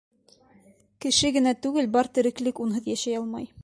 Кеше генә түгел, бар тереклек унһыҙ йәшәй алмай.